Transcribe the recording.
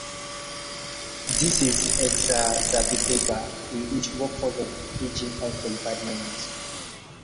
This is exacerbated by a huge workforce of aging unqualified miners.